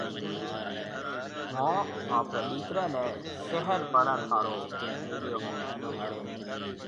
ميه آپرَي ڏِيڪريَ نَي شهر پڙهڻ هارون ميليو هون۔